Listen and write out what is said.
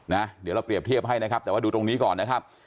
เดี๋ยวเราเปรียบเทียบให้นะครับแต่ว่าดูตรงนี้ก่อนนะครับ